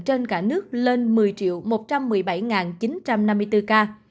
trên cả nước lên một mươi một trăm một mươi bảy chín trăm năm mươi bốn ca